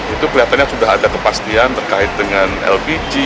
itu kelihatannya sudah ada kepastian terkait dengan lpg